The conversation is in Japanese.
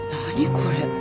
これ。